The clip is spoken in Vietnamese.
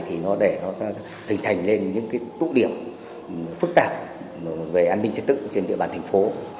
thì nó để nó hình thành lên những cái tụ điểm phức tạp về an ninh trật tự trên địa bàn thành phố